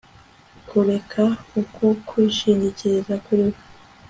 kureka uku kwishingikiriza kuriwe